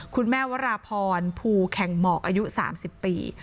วราพรภูแข่งหมอกอายุ๓๐ปี